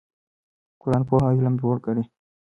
قرآن پوهه او علم لوړ ګڼي.